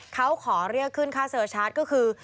เขาขอเรียกขึ้นค่าเซอร์ชาร์จก็คือ